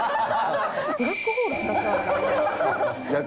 ブラックホール２つある。